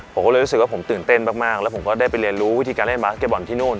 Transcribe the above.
ผมก็เลยรู้สึกว่าผมตื่นเต้นมากแล้วผมก็ได้ไปเรียนรู้วิธีการเล่นบาสเก็ตบอลที่นู่น